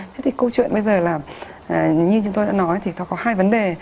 thế thì câu chuyện bây giờ là như chúng tôi đã nói thì nó có hai vấn đề